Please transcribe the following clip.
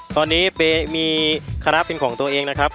ตอนนี้มีคณะเพิ่มของตัวเองครับ